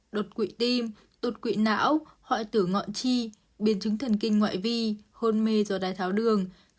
đột quỵ tim đột quỵ não họi tử ngọn chi biến chứng thần kinh ngoại vi hôn mê do đai tháo đường